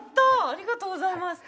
ありがとうございます